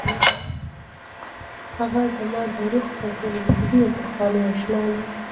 هغه زما د روح تر ټولو نږدې او پخوانۍ اشنا ده.